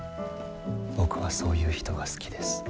僕はそういう人が好きです。